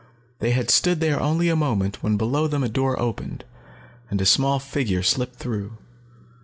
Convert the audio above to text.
They had stood there only a moment when below them a door opened, and a small figure slipped through.